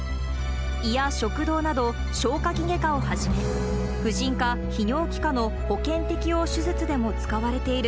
胃や食道など、消化器外科をはじめ、婦人科、泌尿器科の保険適用手術でも使われている、